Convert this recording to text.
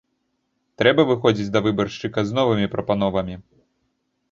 Трэба выходзіць да выбаршчыка з новымі прапановамі.